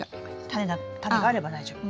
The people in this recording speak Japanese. タネがあれば大丈夫。